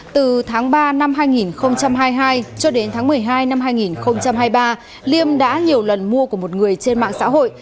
từ tháng ba năm hai nghìn hai mươi hai cho đến tháng một mươi hai năm hai nghìn hai mươi ba liêm đã nhiều lần mua của một người trên mạng xã hội